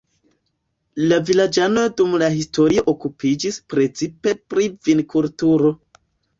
La vilaĝanoj dum la historio okupiĝis precipe pri vinkulturo.